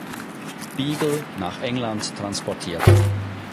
Beagle" nach England transportiert.